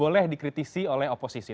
boleh dikritisi oleh oposisi